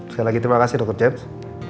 sekali lagi terima kasih dr james